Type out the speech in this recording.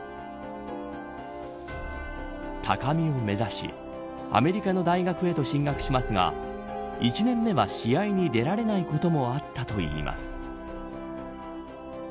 高みを目指しアメリカの大学へと進学しますが１年目は試合に出られないこともあったといいます。